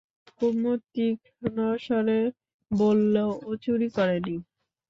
কুমু তীক্ষ্ণ স্বরে বললে, ও চুরি করে নি।